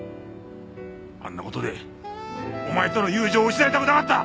あんな事でお前との友情を失いたくなかった！